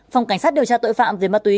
phòng cảnh sát điều tra tội phạm về ma túy